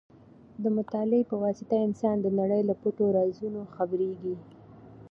د مطالعې په واسطه انسان د نړۍ له پټو رازونو خبرېږي.